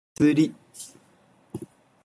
祭り